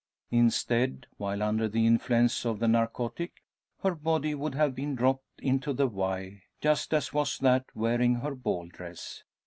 Instead, while under the influence of the narcotic, her body would have been dropped into the Wye, just as was that wearing her ball dress!